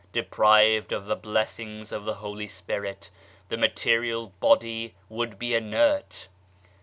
Deprived of the blessings of the Holy Spirit the material body would be inert.